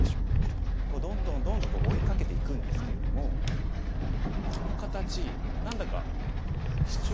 どんどんどんどん追いかけていくんですけれどもこの形何だかシチョウ。